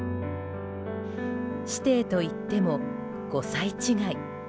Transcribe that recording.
師弟といっても５歳違い。